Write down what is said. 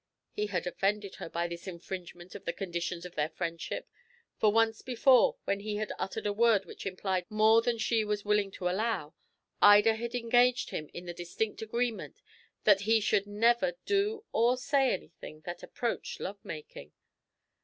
He had offended her by this infringement of the conditions of their friendship; for once before, when he had uttered a word which implied more than she was willing to allow, Ida had engaged him in the distinct agreement that he should never do or say anything that approached love making.